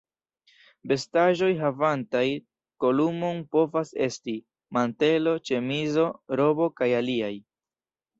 Vestaĵoj havantaj kolumon povas esti: mantelo, ĉemizo, robo kaj aliaj.